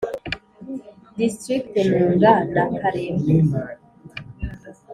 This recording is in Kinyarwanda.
District Nunga na Karembure